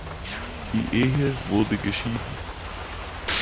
Die Ehe wurde geschieden.